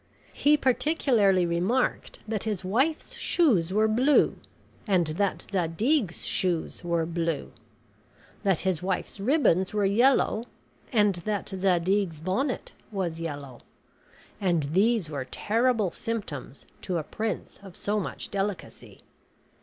He particularly remarked that his wife's shoes were blue and that Zadig's shoes were blue; that his wife's ribbons were yellow and that Zadig's bonnet was yellow; and these were terrible symptoms to a prince of so much delicacy.